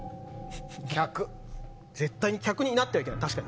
絶対に客になってはいけない？